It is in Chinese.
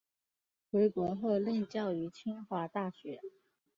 回国后任教于清华大学。